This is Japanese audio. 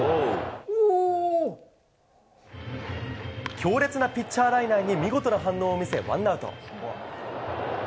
強烈なピッチャーライナーに見事な反応を見せワンアウト。